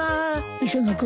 磯野君